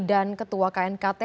dan ketua knkt